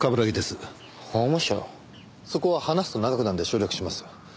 そこは話すと長くなるので省略します。